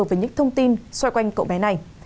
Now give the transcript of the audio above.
với những thông tin xoay quanh cậu bé này